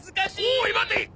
おい待て！